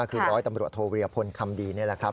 คือร้อยตำรวจโทวิรพลคำดีนี่แหละครับ